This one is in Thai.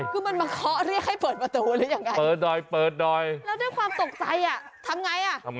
คือมันมาเคาะเรียกให้เปิดประตูหรือยังไง